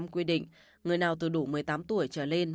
quy định người nào từ đủ một mươi tám tuổi trở lên